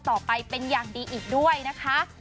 ต่อไปเป็นอย่างดีอีกด้วยนะคะ